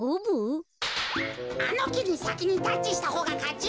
あのきにさきにタッチしたほうがかち。